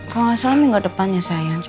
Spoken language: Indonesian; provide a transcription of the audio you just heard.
kalau gak salah minggu depan ya sayang